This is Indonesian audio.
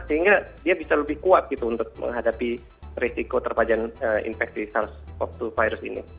sehingga dia bisa lebih kuat gitu untuk menghadapi risiko terpajan infeksi sars cov dua virus ini